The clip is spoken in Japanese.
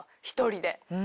一人で。